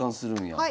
はい。